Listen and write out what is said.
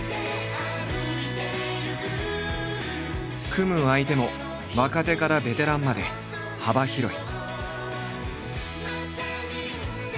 組む相手も若手からベテランまで幅広い。